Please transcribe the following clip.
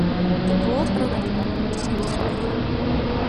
The Bull's program director is Jules Riley.